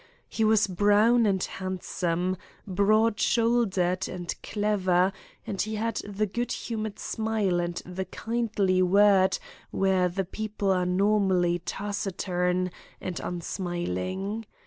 He was brown and handsome, broad shouldered and clever, and he had the good humoured smile and the kindly word where the people are normally taciturn and unsmiling.